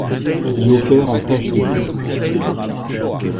Il opère en tâche de fond.